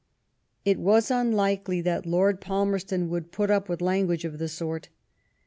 It was unlikely that Lord Falmerston would put up with language of the sort.